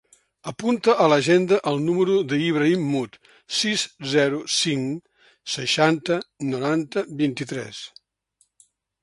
Apunta a l'agenda el número de l'Ibrahim Mut: sis, zero, cinc, seixanta, noranta, vint-i-tres.